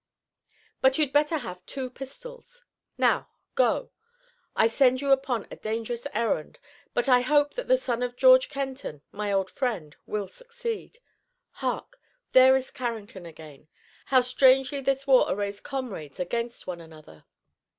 But you'd better have two pistols. Now, go! I send you upon a dangerous errand, but I hope that the son of George Kenton, my old friend, will succeed. Hark! There is Carrington again! How strangely this war arrays comrades against one another!"